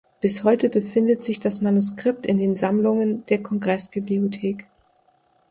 Bis heute befindet sich das Manuskript in den Sammlungen der Kongressbibliothek.